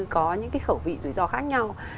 có những cái khẩu vị rủi ro khác nhau